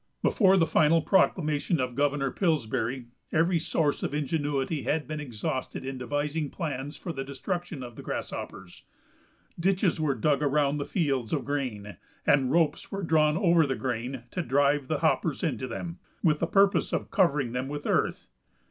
Before the final proclamation of Governor Pillsbury every source of ingenuity had been exhausted in devising plans for the destruction of the grasshoppers. Ditches were dug around the fields of grain, and ropes drawn over the grain to drive the hoppers into them, with the purpose of covering them with earth.